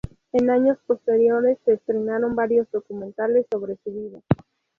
En años posteriores se estrenaron varios documentales sobre su vida.